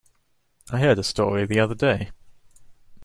I heard a story the other day.